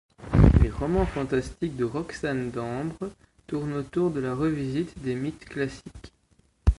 Les romans fantastiques de Roxane Dambre tournent autour de la revisite des mythes classiques.